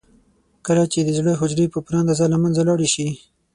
کله چې د زړه حجرې په پوره اندازه له منځه لاړې شي.